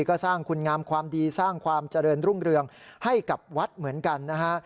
ก็สร้างคุณงามความดีสร้างความเจริญรุ่งเรืองให้กับวัดเหมือนกันนะฮะ